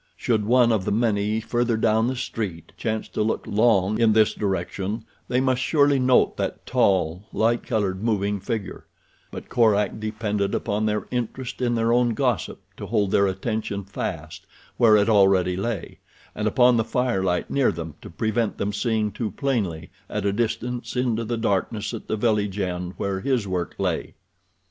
Should one of the many further down the street chance to look long in this direction they must surely note the tall, light colored, moving figure; but Korak depended upon their interest in their own gossip to hold their attention fast where it already lay, and upon the firelight near them to prevent them seeing too plainly at a distance into the darkness at the village end where his work lay.